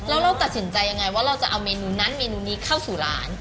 แล้วเราตัดสินใจยังไงว่าเราจะเอาเมนูนั้นเมนูนี้เข้าสู่ร้าน